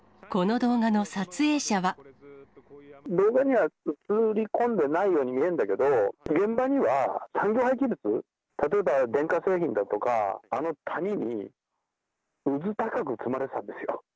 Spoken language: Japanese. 動画には映り込んでないように見えるんだけど、現場には、産業廃棄物、例えば電化製品だとか、あの谷にうずたかく積まれてたんですよ。